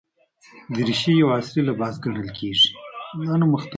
دریشي یو عصري لباس ګڼل کېږي.